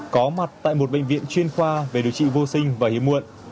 có mặt tại một bệnh viện chuyên khoa về điều trị vô sinh và hiếm muộn